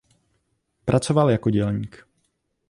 Pracoval jako dělník.